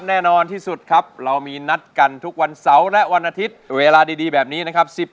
แน่นอนที่สุดครับเรามีนัดกันทุกวันเสาร์และวันอาทิตย์เวลาดีแบบนี้นะครับ